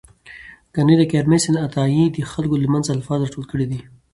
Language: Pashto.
کانديد اکاډميسن عطايي د خلکو له منځه الفاظ راټول کړي دي.